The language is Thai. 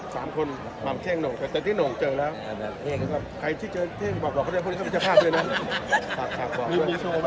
มีโชว์วันอีก๑๒อันนี้